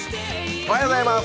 おはようございます。